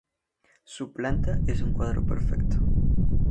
Su planta es un cuadrado perfecto.